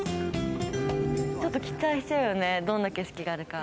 ちょっと期待しちゃうよね、どんな景色があるか。